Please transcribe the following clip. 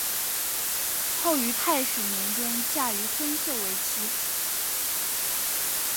后于泰始年间嫁于孙秀为妻。